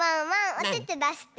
おててだして。